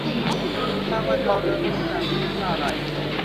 นางวันทอง เดิมชื่อนางพิมพิลาไลย